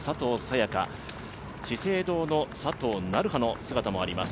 也伽、資生堂の佐藤成葉の姿もあります。